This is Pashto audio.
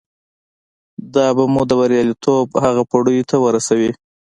دا به مو د برياليتوب هغو پوړيو ته ورسوي.